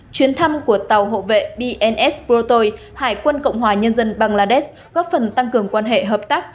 chuyến thăm của tàu hộ vệ bns protoi hải quân cộng hòa nhân dân bangladesh góp phần tăng cường quan hệ hợp tác